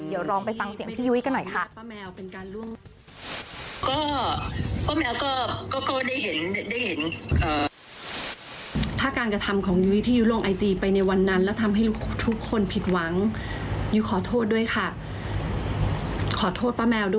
เดี๋ยวลองไปฟังเสียงพี่ยุ้ยกันหน่อยค่ะ